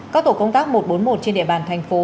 các tổ công tác một trăm bốn mươi một trên địa bàn thành phố